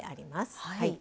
はい。